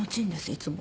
いつも。